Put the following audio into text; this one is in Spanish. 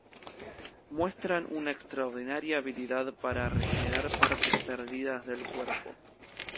Muestran una extraordinaria habilidad para regenerar partes perdidas del cuerpo.